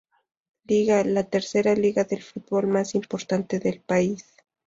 Liga, la tercer liga de fútbol más importante del país.